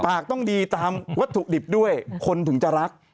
ปากต้องดีตามวัตถุดิบด้วยคนถึงจะรัก